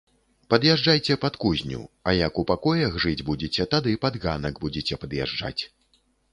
Пад'язджайце пад кузню, а як у пакоях жыць будзеце, тады пад ганак будзеце пад'язджаць.